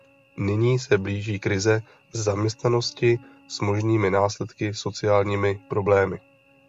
Nyní se blíží krize zaměstnanosti s možnými následnými sociálními problémy.